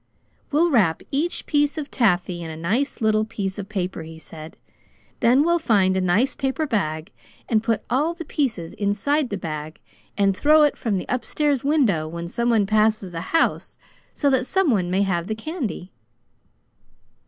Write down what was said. "We'll wrap each piece of taffy in a nice little piece of paper," he said, "then we'll find a nice paper bag, and put all the pieces inside the bag, and throw it from the upstairs window when someone passes the house so that someone may have the candy!"